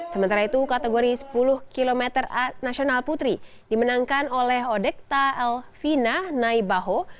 sementara itu kategori sepuluh km nasional putri dimenangkan oleh odekta elvina naibaho